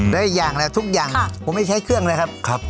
ได้อย่างแล้วทุกอย่างค่ะผมไม่ใช้เครื่องเลยครับครับ